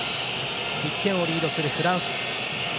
１点をリードするフランス。